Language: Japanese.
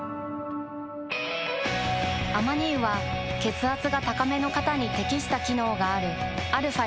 アマニ油は血圧が高めの方に適した機能があるαー